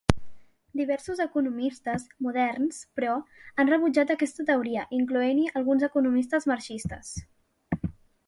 Diversos economistes moderns, però, han rebutjat aquesta teoria, incloent-hi alguns economistes marxistes.